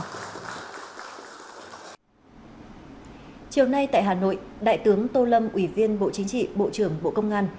chiều nay tại hà nội đại tướng tô lâm ủy viên bộ chính trị bộ trưởng bộ công an